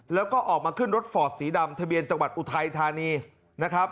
แล้วก็ออกมาขึ้นรถฟอร์ดสีดำทะเบียนจังหวัดอุทัยธานีนะครับ